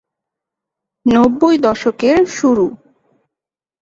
নব্বই দশকের শুরু।